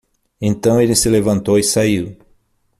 Então ele se levantou e saiu.